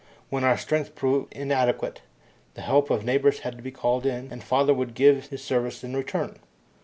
When our strength proved inadequate, the help of neighbours had to be called in, and father would give his services in return.